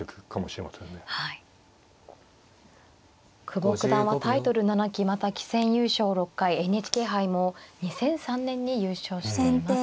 久保九段はタイトル７期また棋戦優勝６回ＮＨＫ杯も２００３年に優勝しています。